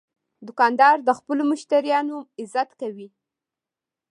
دوکاندار د خپلو مشتریانو عزت کوي.